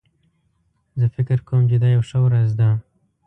زه فکر کوم چې دا یو ښه ورځ ده